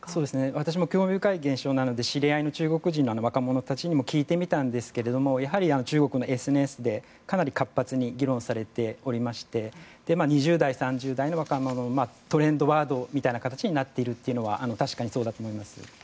私も興味深い現象なので知り合いの中国人の若者たちにも聞いてみたんですけれどやはり中国のＳＮＳでかなり活発に議論されておりまして２０代、３０代の若者のトレンドワードみたいに形になっているというのは確かにそうだと思います。